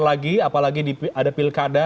lagi apalagi ada pilkada